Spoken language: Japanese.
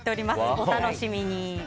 お楽しみに。